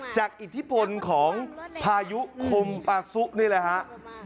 อิทธิพลของพายุคมปาซุนี่แหละครับ